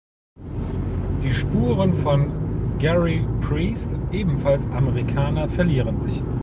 Die Spuren von Geary Priest, ebenfalls Amerikaner, verlieren sich.